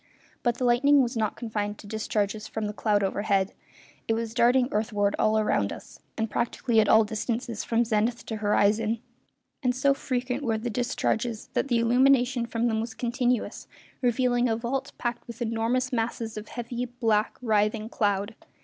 But the lightning was not confined to discharges from the cloud overhead, it was darting earthward all round us, and practically at all distances from zenith to horizon; and so frequent were the discharges that the illumination from them was continuous, revealing a vault packed with enormous masses of heavy, black, writhing cloud.